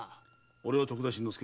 俺は徳田新之助。